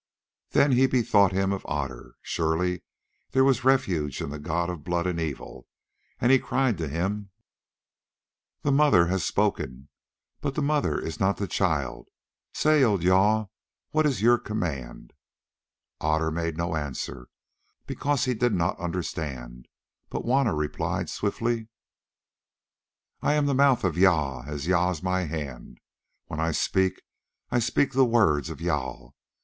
Then he bethought him of Otter. Surely there was refuge in the god of blood and evil; and he cried to him: "The Mother has spoken, but the Mother is not the child. Say, O Jâl, what is your command?" Otter made no answer, because he did not understand; but Juanna replied swiftly: "I am the mouth of Jâl, as Jâl is my hand. When I speak I speak the words of Jâl.